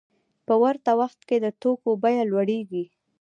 په ورته وخت کې د توکو بیه لوړېږي